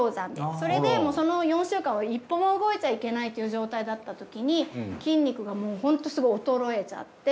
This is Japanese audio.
それでその４週間は一歩も動いちゃいけないという状態だったときに筋肉がホントすごい衰えちゃって。